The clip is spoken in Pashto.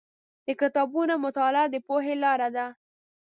د کتابونو مطالعه د پوهې لاره ده.